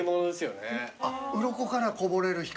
うろこからこぼれる光。